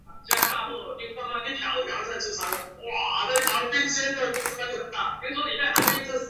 由五氧化二砷溶于水而得。